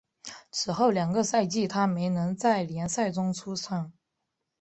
此后两个赛季他没能在联赛中出场。